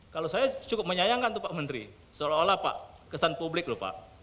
kalau saya cukup menyayangkan tuh pak menteri seolah olah pak kesan publik loh pak